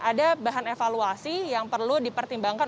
ada bahan evaluasi yang perlu dipertimbangkan